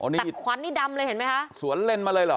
แต่ควันนี่ดำเลยเห็นไหมคะสวนเล่นมาเลยเหรอ